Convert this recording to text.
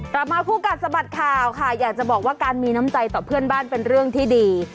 กลับมาคู่กัดสะบัดข่าวค่ะอยากจะบอกว่าการมีน้ำใจต่อเพื่อนบ้านเป็นเรื่องที่ดี